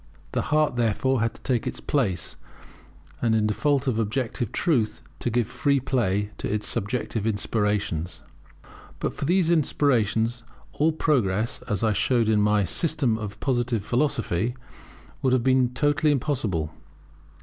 The heart, therefore, had to take its place, and in default of objective truth, to give free play to its subjective inspirations. But for these inspirations, all progress, as I showed in my System of Positive Philosophy, would have been totally impossible.